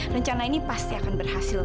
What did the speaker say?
rencana ini pasti akan berhasil